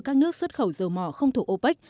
các nước xuất khẩu dầu mỏ không thuộc opec